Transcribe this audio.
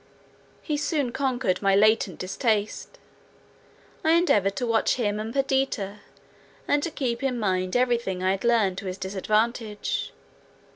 He soon conquered my latent distaste; I endeavoured to watch him and Perdita, and to keep in mind every thing I had heard to his disadvantage.